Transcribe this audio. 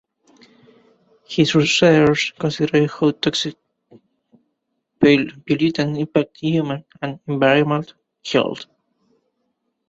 His research considers how toxic pollutants impact human and environmental health.